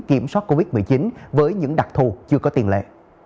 kiểm soát covid một mươi chín với những đặc thù chưa có tiền lệ